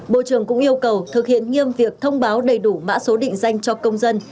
bộ trưởng cũng yêu cầu thực hiện nghiêm việc thông báo đầy đủ mã số định danh cho công dân